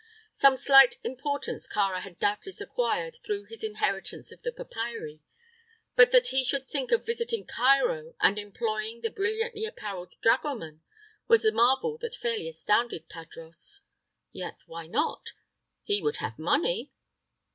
Some slight importance Kāra had doubtless acquired through his inheritance of the papyri; but that he should think of visiting Cairo and employing the brilliantly appareled dragoman was a marvel that fairly astounded Tadros. Yet, why not? He would have money.